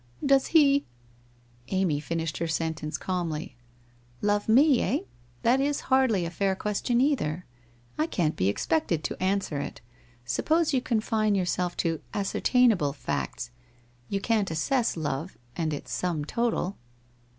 'Does he ' Amy finished her sentence calmly. ' Love me, eh ? That is hardly a fair question, either. I can't be expected to answer it. Suppose you confine yourself to ascertainable facts. You can't assess love, and its sum total.'